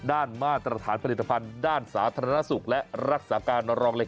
มาตรฐานผลิตภัณฑ์ด้านสาธารณสุขและรักษาการรองเล็ก